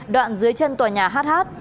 đoạn dưới chân tòa nhà hh